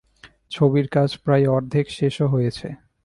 ছবির কাজ প্রায় অর্ধেক শেষও হয়েছে।